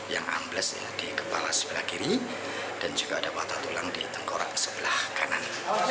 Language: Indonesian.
yang ambles di kepala sebelah kiri dan juga ada patah tulang di tengkorak sebelah kanan